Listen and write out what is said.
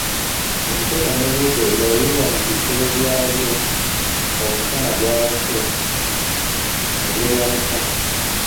Emisota n'ebiwuka ebirala biva mu bisulo byabyo ng'omusana gwase ne byeyanika.